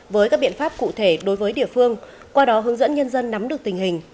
với các biện pháp cụ thể đối với địa phương qua đó hướng dẫn nhân dân nắm được tình hình